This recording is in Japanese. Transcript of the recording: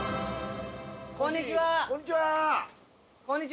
こんにちは。